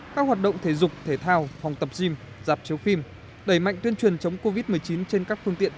các hoạt động thể dục thể thao phòng tập gym dạp chiếu phim đẩy mạnh tuyên truyền chống covid một mươi chín trên các phương tiện